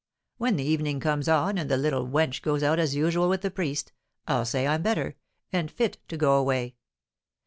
When the evening comes on, and the little wench goes out as usual with the priest, I'll say I'm better, and fit to go away.